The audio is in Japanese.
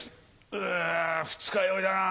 う二日酔いだな。